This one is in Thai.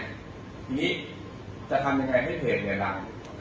อย่างนี้จะทำยังไงให้เพจเนี่ยดัง